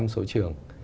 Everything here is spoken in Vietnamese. hai mươi số trường